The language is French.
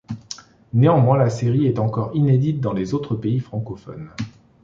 Néanmoins, la série est encore inédite dans les autres pays francophones.